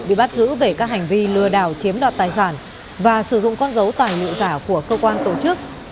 bị bắt giữ về các hành vi lừa đảo chiếm đoạt tài sản và sử dụng con dấu tài liệu giả của cơ quan tổ chức